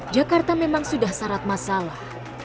jakarta memang sudah syarat masalah